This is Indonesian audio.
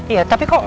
iya tapi kok